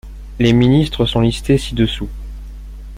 Les ministres sont listés ci-dessous.